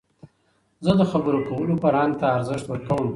زه د خبرو کولو فرهنګ ته ارزښت ورکوم.